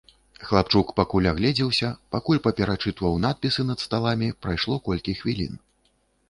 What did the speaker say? Хлапчук пакуль агледзеўся, пакуль паперачытваў надпісы над сталамі, прайшло колькі хвілін.